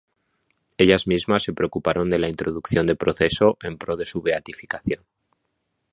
Ellas mismas se preocuparon de la introducción de proceso en pro de su beatificación.